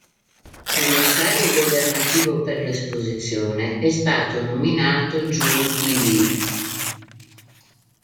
Commissario governativo per l'esposizione è stato nominato Joon-Hee Lee.